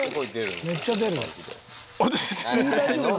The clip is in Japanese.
めっちゃ出る。